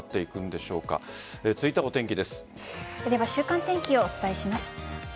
では、週間天気をお伝えします。